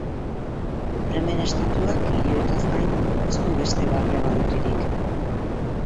Bremen estatuak hiri horietaz gain ez du beste barne-barrutirik.